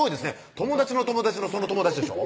友達の友達のその友達でしょ？